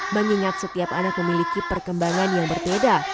mengingat setiap anak memiliki perkembangan yang berbeda